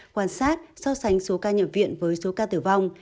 quan sát so sánh số ca nhập viện với số ca tử vong